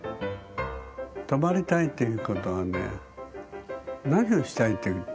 泊まりたいということはね何をしたいって。